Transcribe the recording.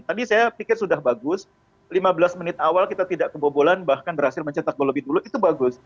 tadi saya pikir sudah bagus lima belas menit awal kita tidak kebobolan bahkan berhasil mencetak gol lebih dulu itu bagus